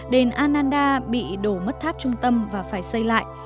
đền anda bị đổ mất tháp trung tâm và phải xây lại